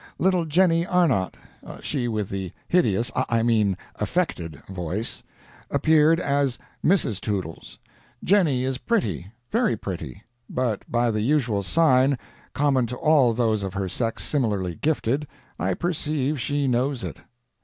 Little Jenny Arnot (she with the hideous—I mean affected—voice) appeared as Mrs. Toodles. Jenny is pretty—very pretty; but by the usual sign, common to all those of her sex similarly gifted, I perceive she knows it.